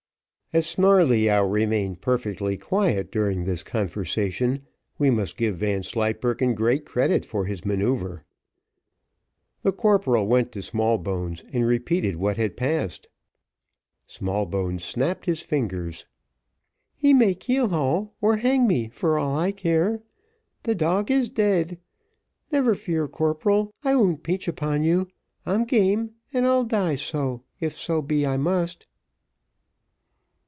As Snarleyyow remained perfectly quiet during this conversation, we must give Vanslyperken great credit for his manoeuvre. The corporal went to Smallbones, and repeated what had passed. Smallbones snapped his fingers. "He may keel haul, or hang me, for all I care. The dog is dead. Never fear, corporal, I won't peach upon you. I'm game, and I'll die so if so be I must."